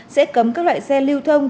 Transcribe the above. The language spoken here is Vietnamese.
sẽ cấm các loại xe lưu thông